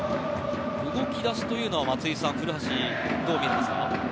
動き出しというのは、松井さん古橋、どう見えますか？